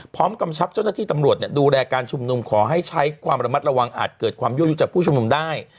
กำชับเจ้าหน้าที่ตำรวจดูแลการชุมนุมขอให้ใช้ความระมัดระวังอาจเกิดความยั่วยุจากผู้ชุมนุมได้